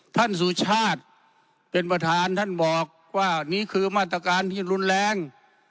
สุชาติเป็นประธานท่านบอกว่านี่คือมาตรการที่รุนแรง